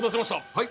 はい。